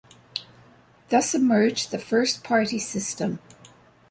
Thus emerged the first party system.